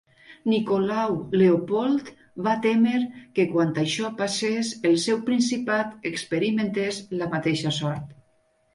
Nicolau Leopold va témer que quan això passes el seu principat experimentés la mateixa sort.